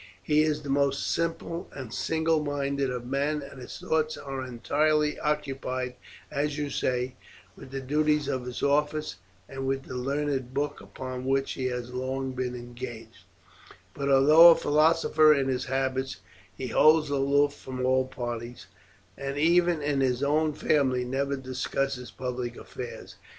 He is the most simple and single minded of men, and his thoughts are entirely occupied, as you say, with the duties of his office and with the learned book upon which he has long been engaged; but although a philosopher in his habits he holds aloof from all parties, and even in his own family never discusses public affairs.